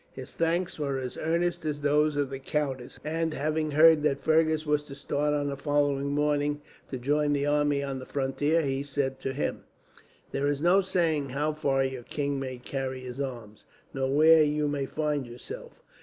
His thanks were as earnest as those of the countess had been and, having heard that Fergus was to start on the following morning to join the army on the frontier, he said to him: "There is no saying how far your king may carry his arms, nor where you may find yourself.